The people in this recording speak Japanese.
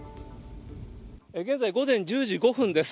現在、午前１０時５分です。